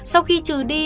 sau khi trừ đi